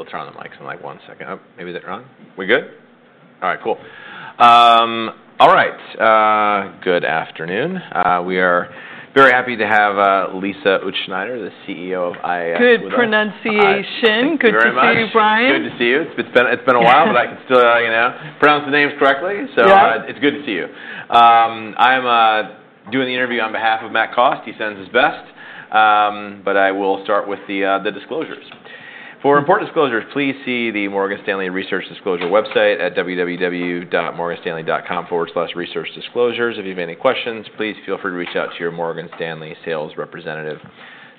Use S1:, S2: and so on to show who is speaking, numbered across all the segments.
S1: We'll turn on the mics in like one second. Oh, maybe they're on. We good? All right, cool. All right. Good afternoon. We are very happy to have Lisa Utzschneider, the CEO of IAS.
S2: Good pronunciation. Good to see you, Brian.
S1: Good to see you. It's been a while, but I can still pronounce the names correctly. It's good to see you. I am doing the interview on behalf of Matt Cost. He sends his best. I will start with the disclosures. For important disclosures, please see the Morgan Stanley Research Disclosure website at www.morganstanley.com/researchdisclosures. If you have any questions, please feel free to reach out to your Morgan Stanley sales representative.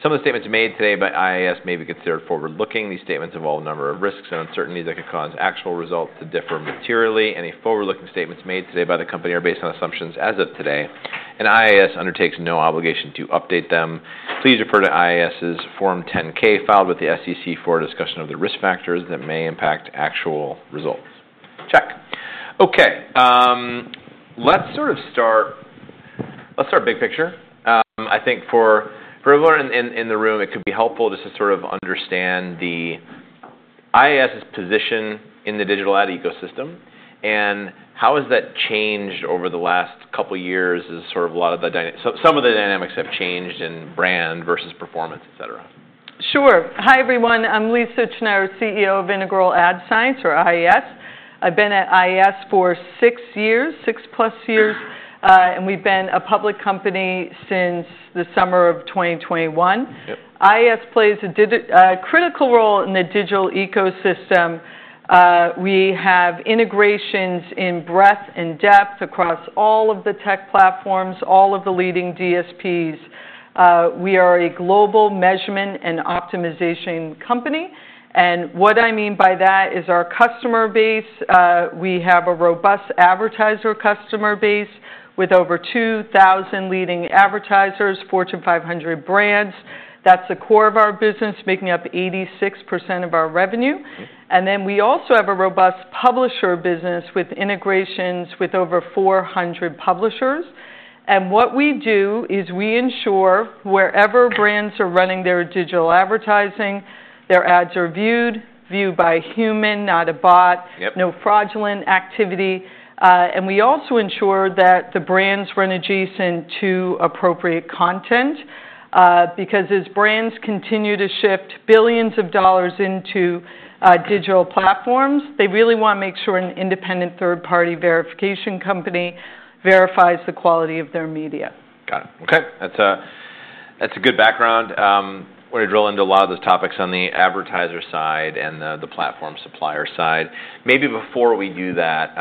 S1: Some of the statements made today by IAS may be considered forward-looking. These statements involve a number of risks and uncertainties that could cause actual results to differ materially. Any forward-looking statements made today by the company are based on assumptions as of today, and IAS undertakes no obligation to update them. Please refer to IAS's Form 10-K filed with the SEC for discussion of the risk factors that may impact actual results. Check. Okay. Let's sort of start big picture. I think for everyone in the room, it could be helpful just to sort of understand IAS's position in the digital ad ecosystem and how has that changed over the last couple of years as sort of a lot of the some of the dynamics have changed in brand versus performance, etc.
S2: Sure. Hi, everyone. I'm Lisa Utzschneider, CEO of Integral Ad Science, or IAS. I've been at IAS for six years, six-plus years, and we've been a public company since the summer of 2021. IAS plays a critical role in the digital ecosystem. We have integrations in breadth and depth across all of the tech platforms, all of the leading DSPs. We are a global measurement and optimization company. What I mean by that is our customer base. We have a robust advertiser customer base with over 2,000 leading advertisers, Fortune 500 brands. That's the core of our business, making up 86% of our revenue. We also have a robust publisher business with integrations with over 400 publishers. What we do is we ensure wherever brands are running their digital advertising, their ads are viewed, viewed by a human, not a bot, no fraudulent activity. We also ensure that the brands run adjacent to appropriate content because as brands continue to shift billions of dollars into digital platforms, they really want to make sure an independent third-party verification company verifies the quality of their media.
S1: Got it. Okay. That's a good background. We're going to drill into a lot of those topics on the advertiser side and the platform supplier side. Maybe before we do that,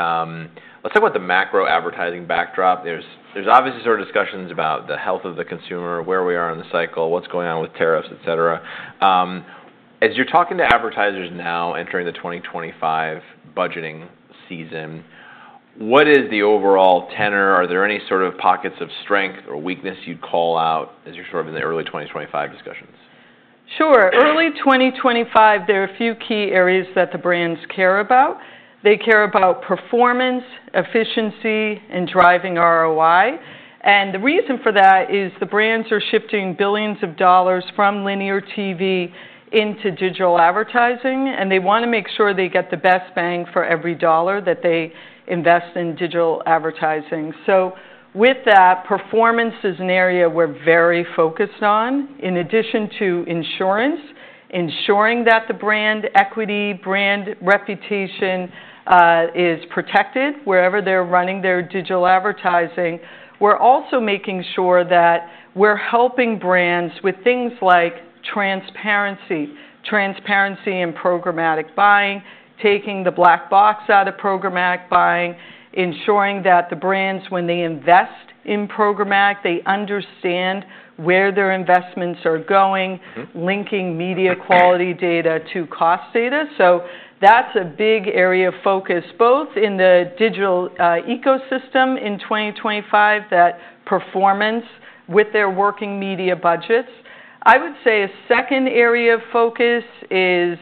S1: let's talk about the macro advertising backdrop. There's obviously sort of discussions about the health of the consumer, where we are in the cycle, what's going on with tariffs, etc. As you're talking to advertisers now entering the 2025 budgeting season, what is the overall tenor? Are there any sort of pockets of strength or weakness you'd call out as you're sort of in the early 2025 discussions?
S2: Sure. Early 2025, there are a few key areas that the brands care about. They care about performance, efficiency, and driving ROI. The reason for that is the brands are shifting billions of dollars from linear TV into digital advertising, and they want to make sure they get the best bang for every dollar that they invest in digital advertising. With that, performance is an area we're very focused on. In addition to ensuring that the brand equity, brand reputation is protected wherever they're running their digital advertising. We're also making sure that we're helping brands with things like transparency, transparency in programmatic buying, taking the black box out of programmatic buying, ensuring that the brands, when they invest in programmatic, they understand where their investments are going, linking media quality data to cost data. That is a big area of focus, both in the digital ecosystem in 2025, that performance with their working media budgets. I would say a second area of focus is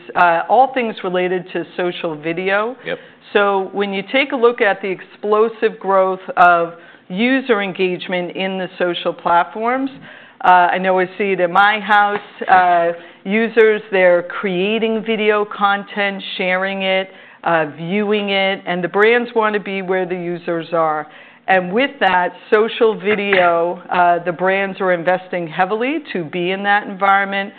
S2: all things related to social video. When you take a look at the explosive growth of user engagement in the social platforms, I know I see it in my house. Users, they are creating video content, sharing it, viewing it, and the brands want to be where the users are. With that social video, the brands are investing heavily to be in that environment.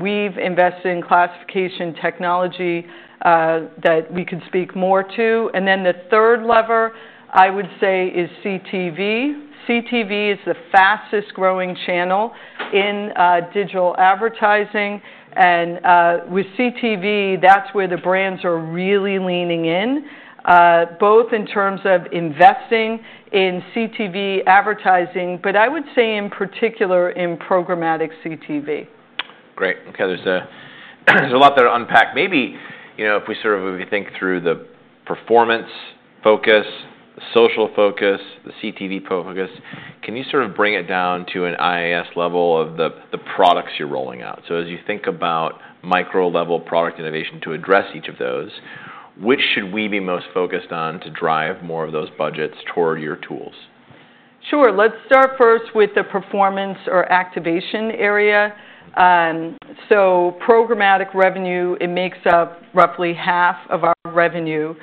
S2: We have invested in classification technology that we could speak more to. The third lever, I would say, is CTV. CTV is the fastest growing channel in digital advertising. With CTV, that's where the brands are really leaning in, both in terms of investing in CTV advertising, but I would say in particular in programmatic CTV.
S1: Great. Okay. There's a lot there to unpack. Maybe if we sort of think through the performance focus, the social focus, the CTV focus, can you sort of bring it down to an IAS level of the products you're rolling out? As you think about micro-level product innovation to address each of those, which should we be most focused on to drive more of those budgets toward your tools?
S2: Sure. Let's start first with the performance or activation area. Programmatic revenue, it makes up roughly half of our revenue.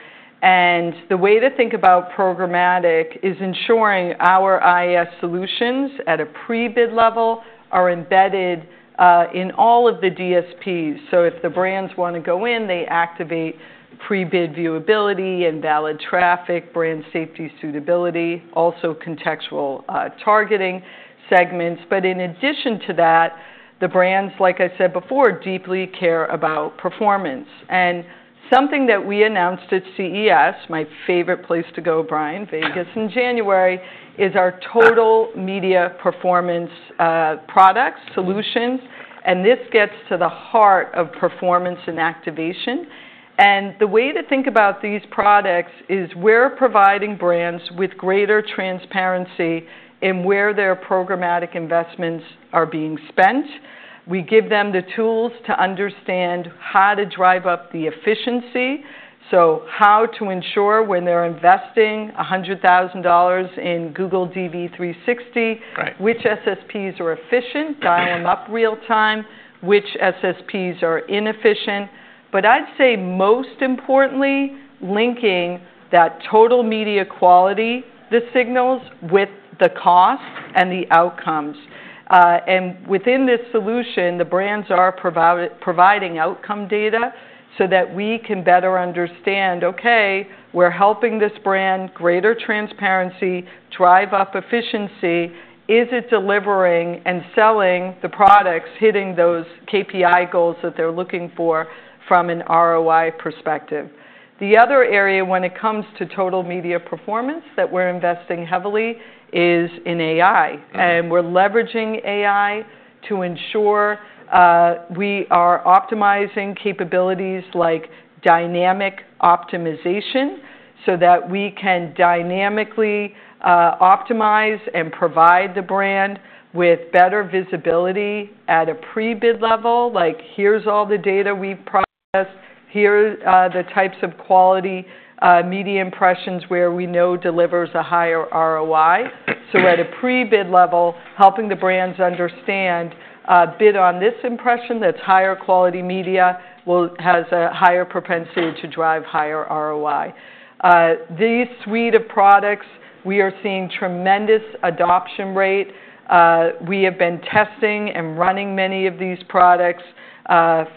S2: The way to think about programmatic is ensuring our IAS solutions at a pre-bid level are embedded in all of the DSPs. If the brands want to go in, they activate pre-bid viewability and valid traffic, brand safety suitability, also contextual targeting segments. In addition to that, the brands, like I said before, deeply care about performance. Something that we announced at CES, my favorite place to go, Brian, Vegas in January, is our total media performance products, solutions. This gets to the heart of performance and activation. The way to think about these products is we're providing brands with greater transparency in where their programmatic investments are being spent. We give them the tools to understand how to drive up the efficiency. How to ensure when they're investing $100,000 in Google DV360, which SSPs are efficient, dial them up real time, which SSPs are inefficient. I'd say most importantly, linking that total media quality, the signals, with the cost and the outcomes. Within this solution, the brands are providing outcome data so that we can better understand, okay, we're helping this brand, greater transparency, drive up efficiency. Is it delivering and selling the products hitting those KPI goals that they're looking for from an ROI perspective? The other area when it comes to total media performance that we're investing heavily is in AI. We're leveraging AI to ensure we are optimizing capabilities like dynamic optimization so that we can dynamically optimize and provide the brand with better visibility at a pre-bid level. Like, here's all the data we've processed. Here are the types of quality media impressions where we know delivers a higher ROI. At a pre-bid level, helping the brands understand, bid on this impression that's higher quality media has a higher propensity to drive higher ROI. This suite of products, we are seeing tremendous adoption rate. We have been testing and running many of these products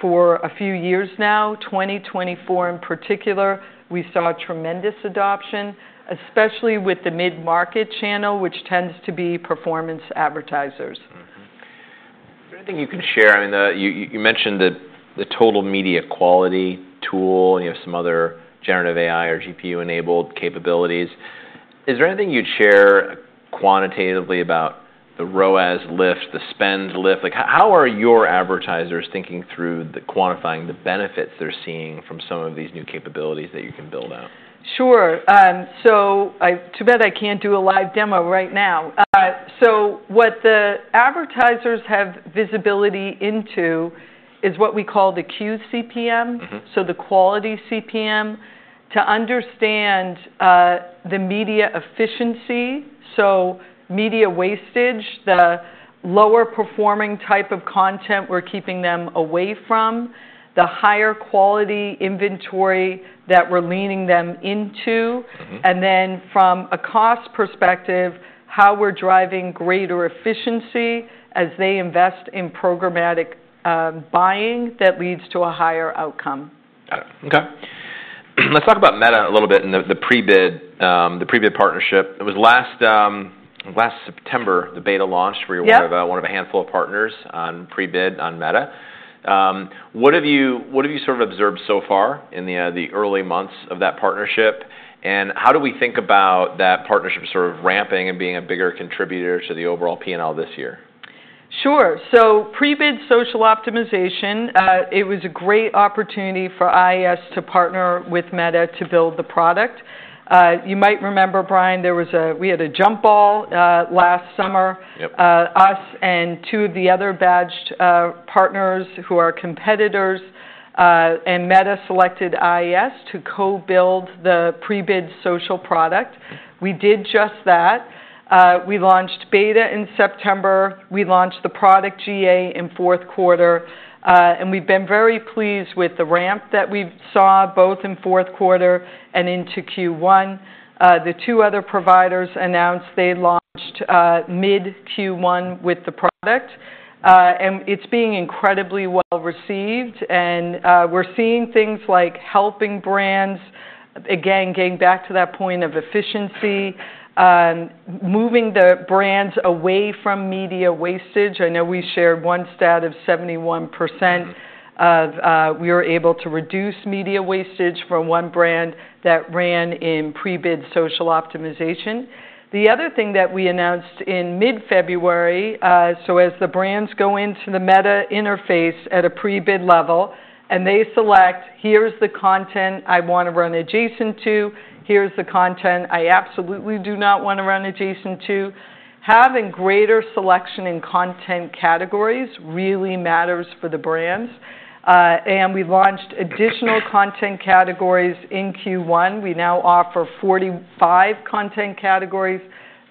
S2: for a few years now. In 2024 in particular, we saw tremendous adoption, especially with the mid-market channel, which tends to be performance advertisers.
S1: Is there anything you can share? I mean, you mentioned the Total Media Quality tool, and you have some other generative AI or GPU-enabled capabilities. Is there anything you'd share quantitatively about the ROAS lift, the spend lift? How are your advertisers thinking through quantifying the benefits they're seeing from some of these new capabilities that you can build out?
S2: Sure. Too bad I can't do a live demo right now. What the advertisers have visibility into is what we call the QCPM, so the quality CPM, to understand the media efficiency. Media wastage, the lower performing type of content we're keeping them away from, the higher quality inventory that we're leaning them into. From a cost perspective, how we're driving greater efficiency as they invest in programmatic buying that leads to a higher outcome.
S1: Got it. Okay. Let's talk about Meta a little bit and the pre-bid partnership. It was last September the beta launched. We were one of a handful of partners on pre-bid on Meta. What have you sort of observed so far in the early months of that partnership? How do we think about that partnership sort of ramping and being a bigger contributor to the overall P&L this year?
S2: Sure. Pre-bid social optimization, it was a great opportunity for IAS to partner with Meta to build the product. You might remember, Brian, we had a jump ball last summer, us and two of the other badged partners who are competitors, and Meta selected IAS to co-build the pre-bid social product. We did just that. We launched beta in September. We launched the product GA in fourth quarter. We have been very pleased with the ramp that we saw both in fourth quarter and into Q1. The two other providers announced they launched mid-Q1 with the product. It is being incredibly well received. We are seeing things like helping brands, again, getting back to that point of efficiency, moving the brands away from media wastage. I know we shared one stat of 71% of we were able to reduce media wastage for one brand that ran in pre-bid social optimization. The other thing that we announced in mid-February, as the brands go into the Meta interface at a pre-bid level and they select, here's the content I want to run adjacent to, here's the content I absolutely do not want to run adjacent to, having greater selection in content categories really matters for the brands. We launched additional content categories in Q1. We now offer 45 content categories,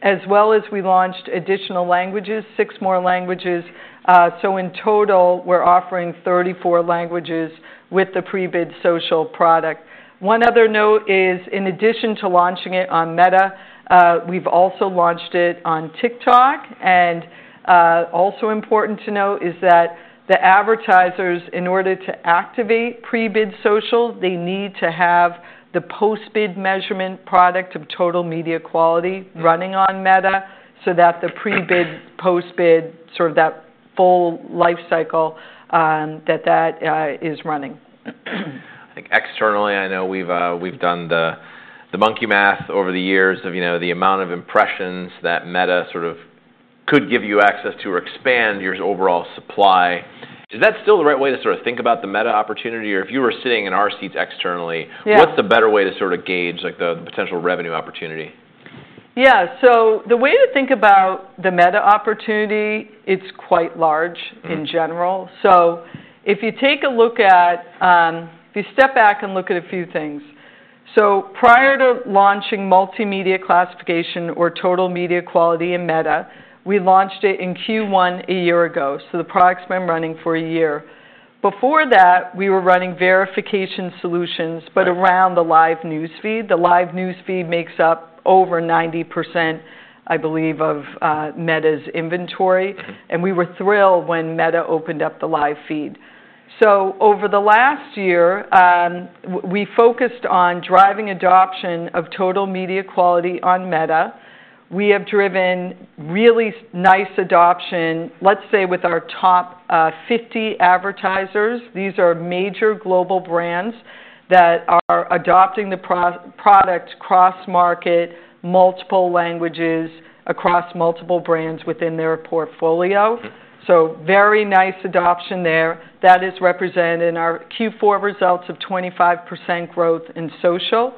S2: as well as we launched additional languages, six more languages. In total, we're offering 34 languages with the pre-bid social product. One other note is, in addition to launching it on Meta, we've also launched it on TikTok. And also important to note that the advertisers, in order to activate pre-bid social, need to have the post-bid measurement product of Total Media Quality running on Meta so that the pre-bid, post-bid, sort of that full life cycle, is running.
S1: I think externally, I know we've done the monkey math over the years of the amount of impressions that Meta sort of could give you access to or expand your overall supply. Is that still the right way to sort of think about the Meta opportunity? If you were sitting in our seats externally, what's the better way to sort of gauge the potential revenue opportunity?
S2: Yeah. The way to think about the Meta opportunity, it's quite large in general. If you take a look at, if you step back and look at a few things. Prior to launching multimedia classification or total media quality in Meta, we launched it in Q1 a year ago. The products have been running for a year. Before that, we were running verification solutions, but around the live news feed. The live news feed makes up over 90% of Meta's inventory. We were thrilled when Meta opened up the live feed. Over the last year, we focused on driving adoption of total media quality on Meta. We have driven really nice adoption, let's say with our top 50 advertisers. These are major global brands that are adopting the product cross-market, multiple languages across multiple brands within their portfolio. Very nice adoption there. That is represented in our Q4 results of 25% growth in social.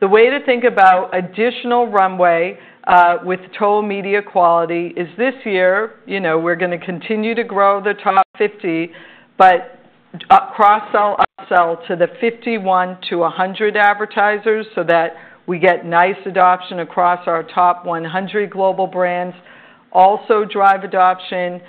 S2: The way to think about additional runway with total media quality is this year, we are going to continue to grow the top 50, but cross-sell to the 51-100 advertisers so that we get nice adoption across our top 100 global brands. Also drive adoption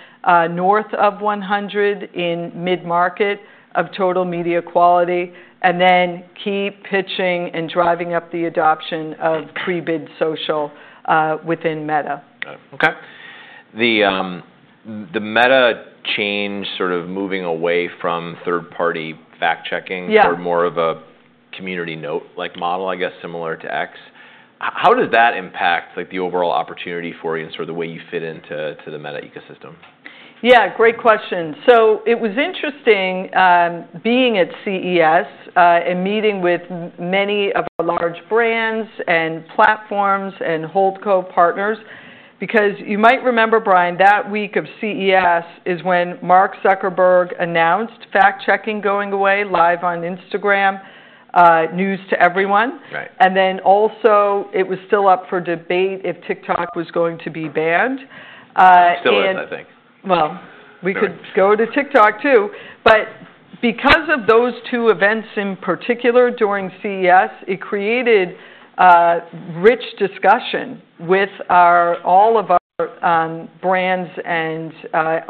S2: north of 100 in mid-market of total media quality. Then keep pitching and driving up the adoption of pre-bid social within Meta.
S1: Okay. The Meta change sort of moving away from third-party fact-checking for more of a community note model, I guess, similar to X. How does that impact the overall opportunity for you and sort of the way you fit into the Meta ecosystem?
S2: Yeah. Great question. It was interesting being at CES and meeting with many of our large brands and platforms and HoldCo partners because you might remember, Brian, that week of CES is when Mark Zuckerberg announced fact-checking going away live on Instagram, news to everyone. It was still up for debate if TikTok was going to be banned.
S1: Still is, I think.
S2: We could go to TikTok too. Because of those two events in particular during CES, it created rich discussion with all of our brands and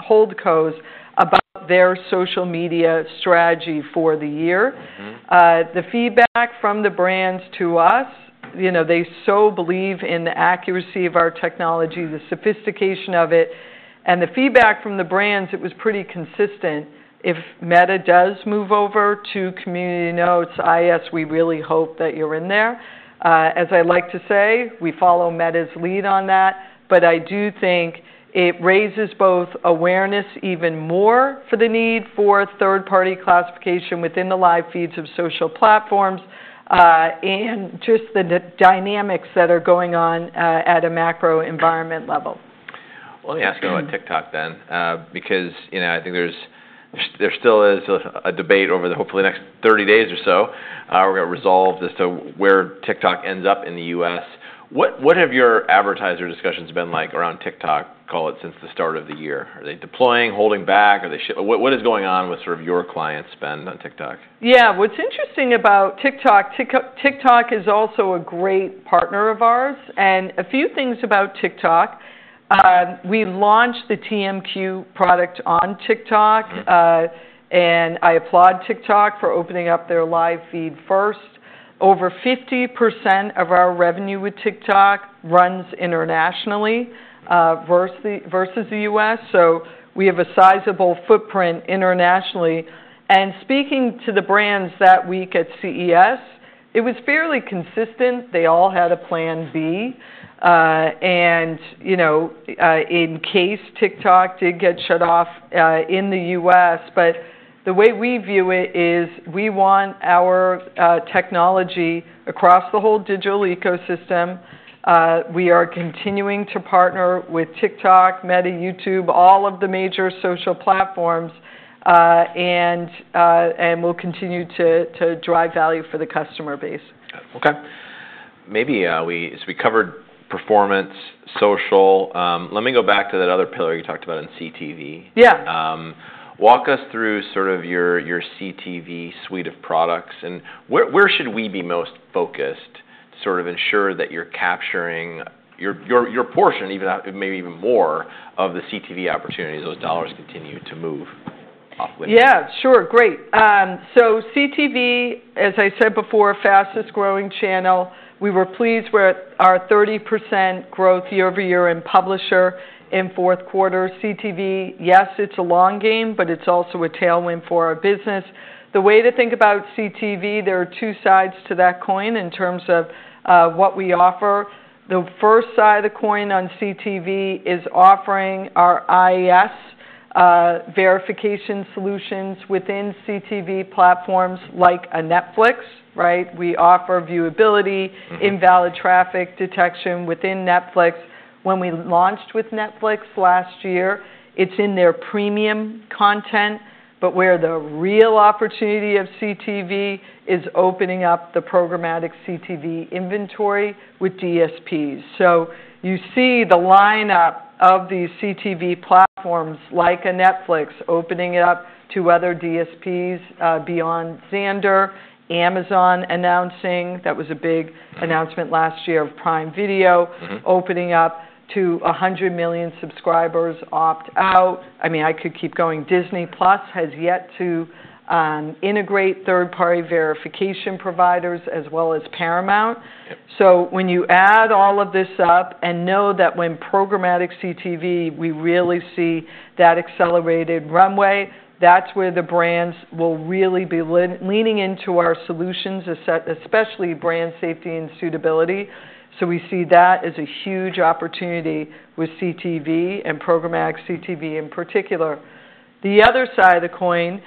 S2: HoldCos about their social media strategy for the year. The feedback from the brands to us, they so believe in the accuracy of our technology, the sophistication of it. The feedback from the brands, it was pretty consistent. If Meta does move over to community notes, I ask, we really hope that you're in there. As I like to say, we follow Meta's lead on that. I do think it raises both awareness even more for the need for third-party classification within the live feeds of social platforms and just the dynamics that are going on at a macro environment level.
S1: Let me ask you about TikTok then because I think there still is a debate over the hopefully next 30 days or so how we are going to resolve this to where TikTok ends up in the U.S. What have your advertiser discussions been like around TikTok, call it, since the start of the year? Are they deploying, holding back? What is going on with sort of your client spend on TikTok?
S2: Yeah. What's interesting about TikTok, TikTok is also a great partner of ours. A few things about TikTok. We launched the TMQ product on TikTok. I applaud TikTok for opening up their live feed first. Over 50% of our revenue with TikTok runs internationally versus the U.S. We have a sizable footprint internationally. Speaking to the brands that week at CES, it was fairly consistent. They all had a plan B in case TikTok did get shut off in the U.S. The way we view it is we want our technology across the whole digital ecosystem. We are continuing to partner with TikTok, Meta, YouTube, all of the major social platforms, and we will continue to drive value for the customer base.
S1: Okay. Maybe as we covered performance, social, let me go back to that other pillar you talked about in CTV.
S2: Yeah.
S1: Walk us through sort of your CTV suite of products. Where should we be most focused to sort of ensure that you're capturing your portion, maybe even more of the CTV opportunities as those dollars continue to move off?
S2: Yeah. Sure. Great. CTV, as I said before, fastest growing channel. We were pleased with our 30% growth year over year in publisher in fourth quarter. CTV, yes, it's a long game, but it's also a tailwind for our business. The way to think about CTV, there are two sides to that coin in terms of what we offer. The first side of the coin on CTV is offering our IAS verification solutions within CTV platforms like a Netflix. We offer viewability, invalid traffic detection within Netflix. When we launched with Netflix last year, it's in their premium content. Where the real opportunity of CTV is opening up the programmatic CTV inventory with DSPs. You see the lineup of these CTV platforms like a Netflix opening up to other DSPs beyond Xandr, Amazon announcing that was a big announcement last year of Prime Video opening up to 100 million subscribers opt out. I mean, I could keep going. Disney Plus has yet to integrate third-party verification providers as well as Paramount. When you add all of this up and know that when programmatic CTV, we really see that accelerated runway, that's where the brands will really be leaning into our solutions, especially brand safety and suitability. We see that as a huge opportunity with CTV and programmatic CTV in particular. The other side of the coin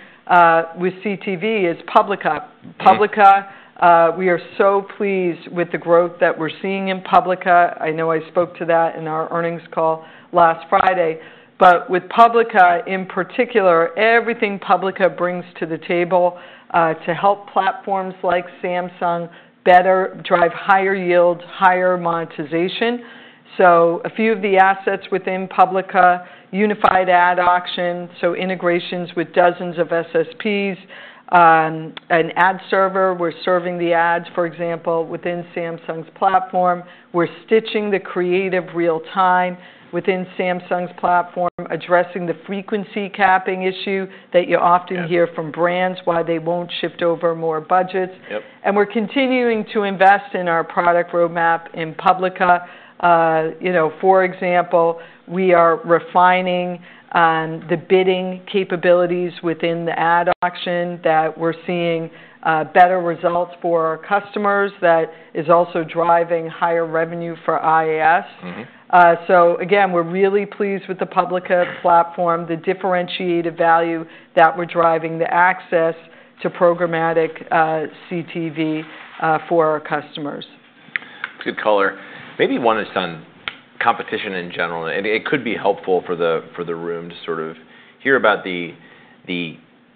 S2: with CTV is Publica. Publica, we are so pleased with the growth that we're seeing in Publica. I know I spoke to that in our earnings call last Friday. With Publica in particular, everything Publica brings to the table to help platforms like Samsung better drive higher yields, higher monetization. A few of the assets within Publica, unified ad auction, integrations with dozens of SSPs, an ad server. We're serving the ads, for example, within Samsung's platform. We're stitching the creative real-time within Samsung's platform, addressing the frequency capping issue that you often hear from brands, why they won't shift over more budgets. We're continuing to invest in our product roadmap in Publica. For example, we are refining the bidding capabilities within the ad auction that we're seeing better results for our customers. That is also driving higher revenue for IAS. We're really pleased with the Publica platform, the differentiated value that we're driving, the access to programmatic CTV for our customers.
S1: That's good color. Maybe one is on competition in general. It could be helpful for the room to sort of hear about the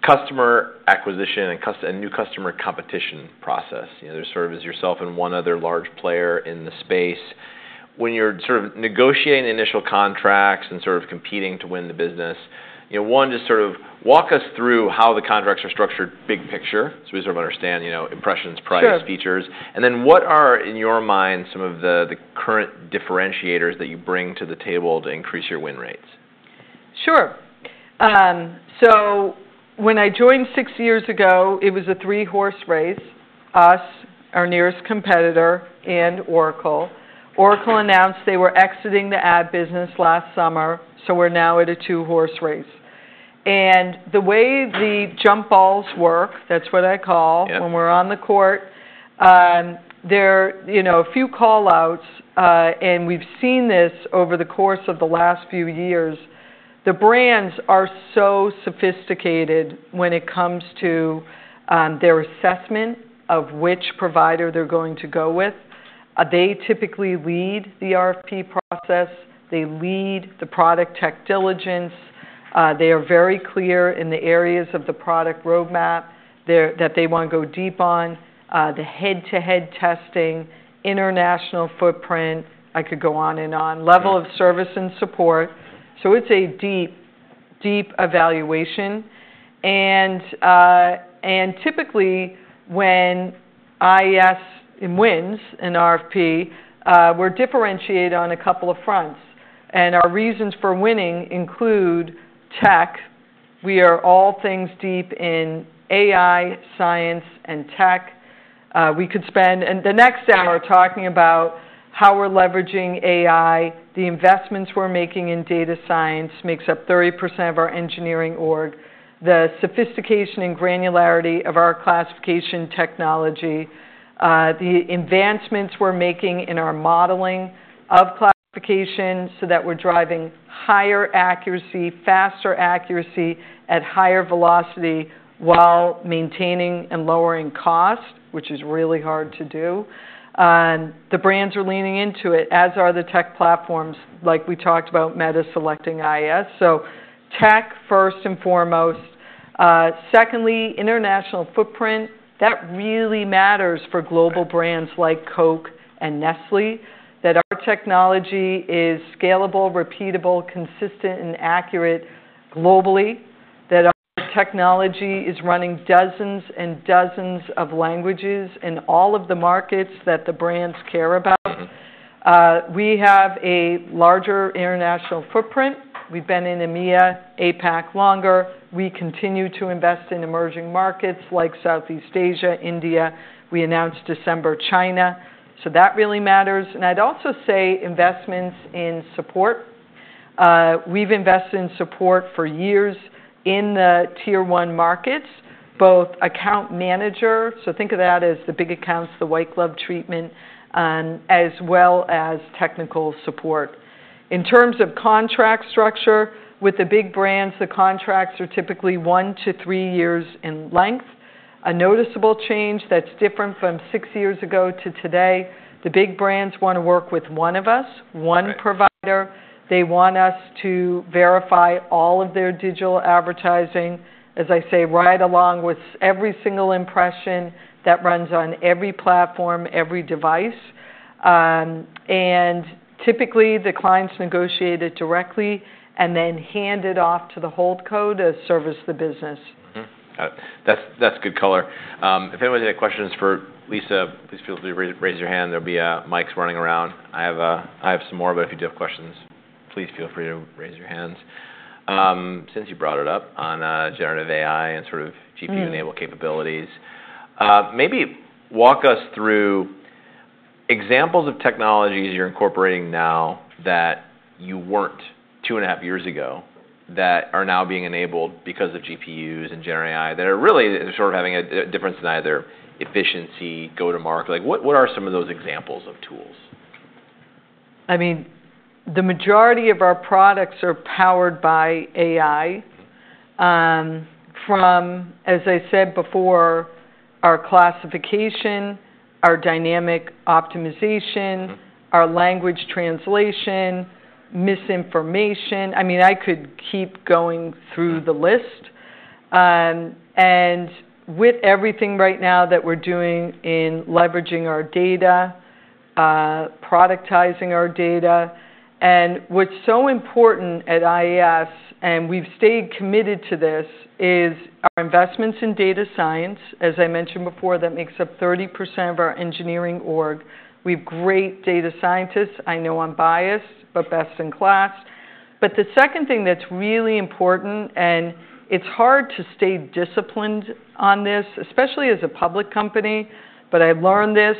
S1: customer acquisition and new customer competition process. There's sort of as yourself and one other large player in the space. When you're sort of negotiating initial contracts and sort of competing to win the business, one, just sort of walk us through how the contracts are structured big picture so we sort of understand impressions, price, features. And then what are, in your mind, some of the current differentiators that you bring to the table to increase your win rates?
S2: Sure. When I joined six years ago, it was a three-horse race, us, our nearest competitor, and Oracle. Oracle announced they were exiting the ad business last summer. We are now at a two-horse race. The way the jump balls work, that's what I call when we're on the court, there are a few callouts. We've seen this over the course of the last few years. The brands are so sophisticated when it comes to their assessment of which provider they're going to go with. They typically lead the RFP process. They lead the product tech diligence. They are very clear in the areas of the product roadmap that they want to go deep on, the head-to-head testing, international footprint. I could go on and on, level of service and support. It's a deep, deep evaluation. Typically, when IAS wins an RFP, we're differentiated on a couple of fronts. Our reasons for winning include tech. We are all things deep in AI, science, and tech. We could spend the next hour talking about how we're leveraging AI. The investments we're making in data science makes up 30% of our engineering org. The sophistication and granularity of our classification technology, the advancements we're making in our modeling of classification so that we're driving higher accuracy, faster accuracy at higher velocity while maintaining and lowering cost, which is really hard to do. The brands are leaning into it, as are the tech platforms like we talked about Meta selecting IAS. Tech first and foremost. Secondly, international footprint. That really matters for global brands like Coke and Nestlé, that our technology is scalable, repeatable, consistent, and accurate globally, that our technology is running dozens and dozens of languages in all of the markets that the brands care about. We have a larger international footprint. We have been in EMEA, APAC longer. We continue to invest in emerging markets like Southeast Asia, India. We announced December China. That really matters. I would also say investments in support. We have invested in support for years in the tier one markets, both account manager, so think of that as the big accounts, the white glove treatment, as well as technical support. In terms of contract structure with the big brands, the contracts are typically one to three years in length. A noticeable change that is different from six years ago to today. The big brands want to work with one of us, one provider. They want us to verify all of their digital advertising, as I say, right along with every single impression that runs on every platform, every device. Typically, the clients negotiate it directly and then hand it off to the HoldCo to service the business.
S1: That's good color. If anyone had questions for Lisa, please feel free to raise your hand. There'll be mics running around. I have some more, but if you do have questions, please feel free to raise your hands. Since you brought it up on generative AI and sort of GPU-enabled capabilities, maybe walk us through examples of technologies you're incorporating now that you weren't two and a half years ago that are now being enabled because of GPUs and generative AI that are really sort of having a difference in either efficiency, go-to-market. What are some of those examples of tools?
S2: I mean, the majority of our products are powered by AI from, as I said before, our classification, our dynamic optimization, our language translation, misinformation. I mean, I could keep going through the list. With everything right now that we're doing in leveraging our data, productizing our data, and what's so important at IAS, and we've stayed committed to this, is our investments in data science. As I mentioned before, that makes up 30% of our engineering org. We have great data scientists. I know I'm biased, but best in class. The second thing that's really important, and it's hard to stay disciplined on this, especially as a public company, but I learned this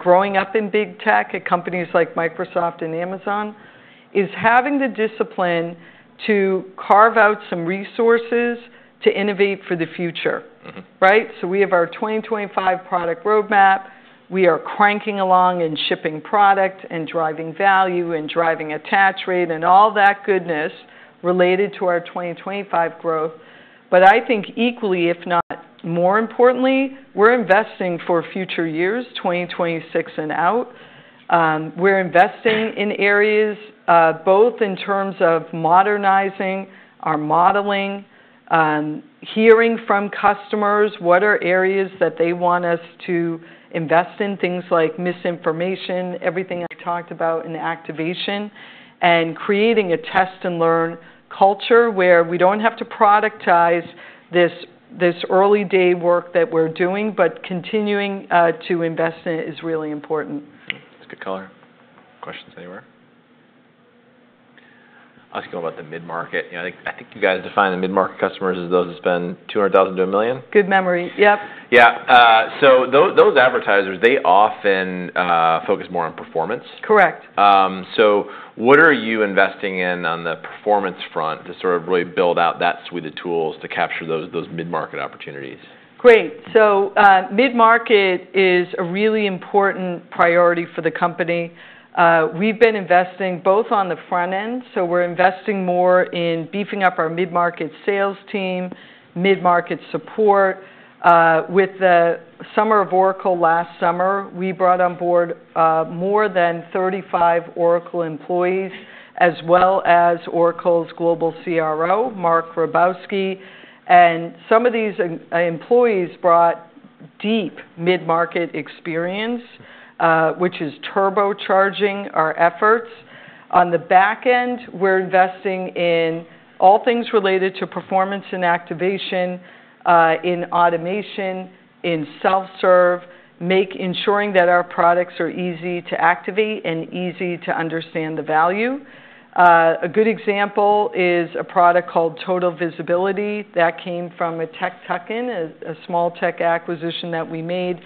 S2: growing up in big tech at companies like Microsoft and Amazon, is having the discipline to carve out some resources to innovate for the future. We have our 2025 product roadmap. We are cranking along and shipping product and driving value and driving attach rate and all that goodness related to our 2025 growth. I think equally, if not more importantly, we're investing for future years, 2026 and out. We're investing in areas both in terms of modernizing our modeling, hearing from customers, what are areas that they want us to invest in, things like misinformation, everything I talked about in activation, and creating a test and learn culture where we don't have to productize this early day work that we're doing, but continuing to invest in it is really important.
S1: That's good color. Questions anywhere? I'll ask you about the mid-market. I think you guys define the mid-market customers as those who spend $200,000 to $1 million.
S2: Good memory. Yep.
S1: Yeah. Those advertisers, they often focus more on performance.
S2: Correct.
S1: What are you investing in on the performance front to sort of really build out that suite of tools to capture those mid-market opportunities?
S2: Great. Mid-market is a really important priority for the company. We've been investing both on the front end. We're investing more in beefing up our mid-market sales team, mid-market support. With the summer of Oracle last summer, we brought on board more than 35 Oracle employees, as well as Oracle's global CRO, Mark Grabowski. Some of these employees brought deep mid-market experience, which is turbocharging our efforts. On the back end, we're investing in all things related to performance and activation, in automation, in self-serve, ensuring that our products are easy to activate and easy to understand the value. A good example is a product called Total Visibility that came from a tech tuck-in, a small tech acquisition that we made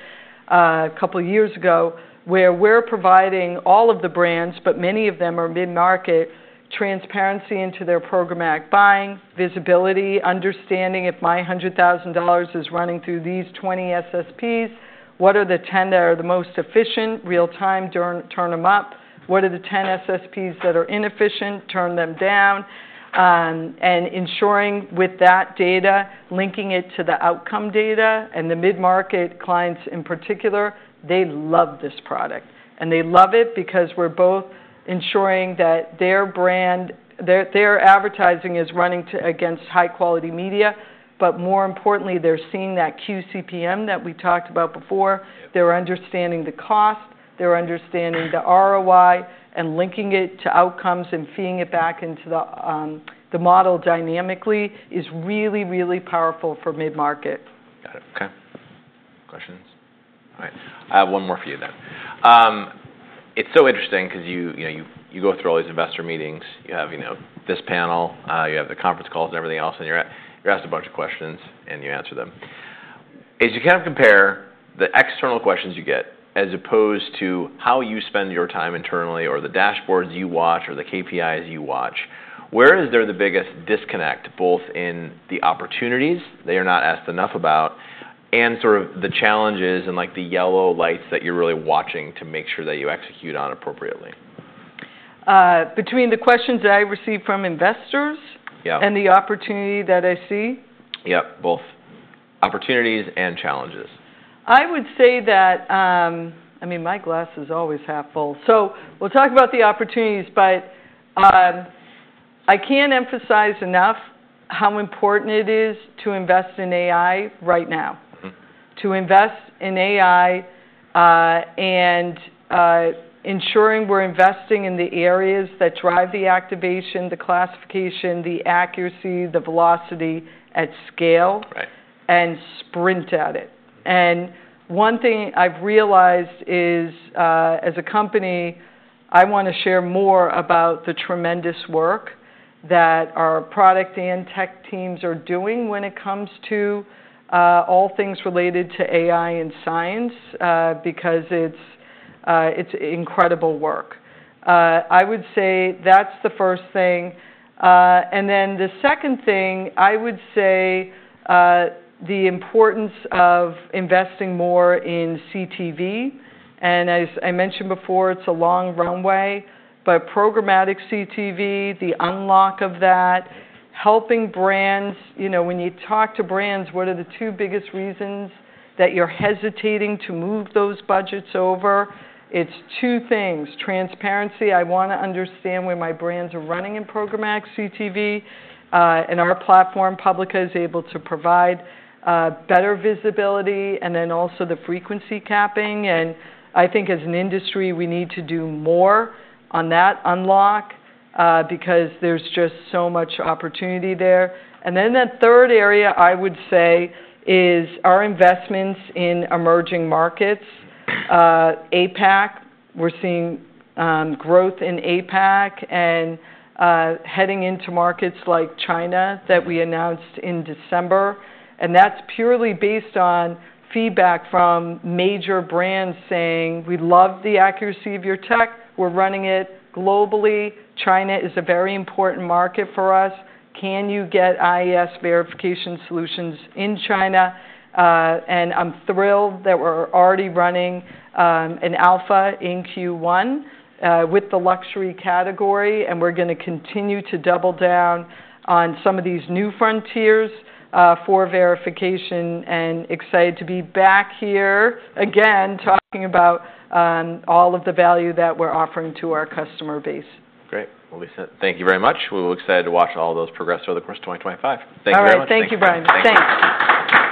S2: a couple of years ago, where we're providing all of the brands, but many of them are mid-market, transparency into their programmatic buying, visibility, understanding if my $100,000 is running through these 20 SSPs, what are the 10 that are the most efficient, real-time, turn them up, what are the 10 SSPs that are inefficient, turn them down, ensuring with that data, linking it to the outcome data. The mid-market clients in particular, they love this product. They love it because we're both ensuring that their advertising is running against high-quality media. More importantly, they're seeing that QCPM that we talked about before. They're understanding the cost. They're understanding the ROI and linking it to outcomes and feeding it back into the model dynamically is really, really powerful for mid-market.
S1: Got it. Okay. Questions? All right. I have one more for you then. It's so interesting because you go through all these investor meetings. You have this panel, you have the conference calls and everything else, and you're asked a bunch of questions and you answer them. As you kind of compare the external questions you get as opposed to how you spend your time internally or the dashboards you watch or the KPIs you watch, where is there the biggest disconnect both in the opportunities they are not asked enough about and sort of the challenges and the yellow lights that you're really watching to make sure that you execute on appropriately?
S2: Between the questions that I receive from investors and the opportunity that I see.
S1: Yep, both. Opportunities and challenges.
S2: I would say that, I mean, my glass is always half full. We'll talk about the opportunities, but I can't emphasize enough how important it is to invest in AI right now, to invest in AI and ensuring we're investing in the areas that drive the activation, the classification, the accuracy, the velocity at scale, and sprint at it. One thing I've realized is, as a company, I want to share more about the tremendous work that our product and tech teams are doing when it comes to all things related to AI and science because it's incredible work. I would say that's the first thing. The second thing, I would say the importance of investing more in CTV. As I mentioned before, it's a long runway, but programmatic CTV, the unlock of that, helping brands. When you talk to brands, what are the two biggest reasons that you're hesitating to move those budgets over? It's two things. Transparency. I want to understand where my brands are running in programmatic CTV. Our platform, Publica, is able to provide better visibility and then also the frequency capping. I think as an industry, we need to do more on that unlock because there's just so much opportunity there. That third area, I would say, is our investments in emerging markets. APAC. We're seeing growth in APAC and heading into markets like China that we announced in December. That's purely based on feedback from major brands saying, "We love the accuracy of your tech. We're running it globally. China is a very important market for us. Can you get IAS verification solutions in China?" I'm thrilled that we're already running an alpha in Q1 with the luxury category. We're going to continue to double down on some of these new frontiers for verification and excited to be back here again talking about all of the value that we're offering to our customer base.
S1: Great. Lisa, thank you very much. We're excited to watch all of those progress over the course of 2025. Thank you very much.
S2: All right. Thank you, Brian. Thanks.
S1: Thank you.